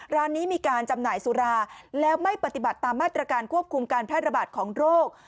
ร้านนี้มีการจำหน่ายสุราแล้วไม่ปฏิบัติตามมาตรการควบคุมการแพร่ระบาดของโรค